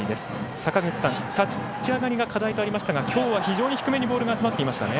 坂口さん立ち上がりが課題とありましたがきょうは非常に低めにボールが集まっていましたね。